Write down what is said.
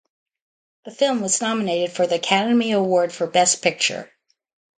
The film was nominated for the Academy Award for Best Picture.